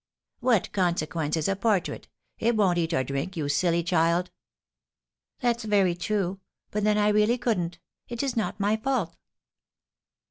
"What consequence is a portrait? It won't eat or drink, you silly child!" "That's very true; but then I really couldn't. It is not my fault."